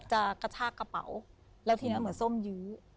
กระชากกระเป๋าแล้วทีนั้นเหมือนส้มยื้อ